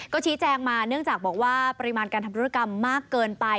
ก็ชี้แจงมาเนื่องจากบอกว่าปริมาณการทำธุรกรรมมากเกินไป